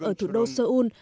ở thủ đô seoul